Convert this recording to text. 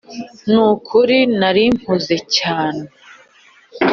nukuri nari mpuze cyane?